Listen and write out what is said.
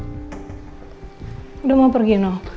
udah mau pergi no